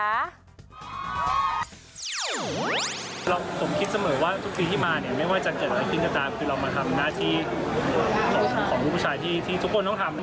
ผมคิดเสมอว่าทุกปีที่มาไม่ว่าจะเกิดอะไรขึ้นก็ตามคือเรามาทำหน้าที่ของลูกผู้ชายที่ทุกคนต้องทำ